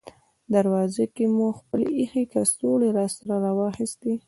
دروازه کې مو خپلې اېښې کڅوړې راسره واخیستې.